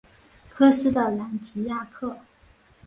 科斯的朗提亚克。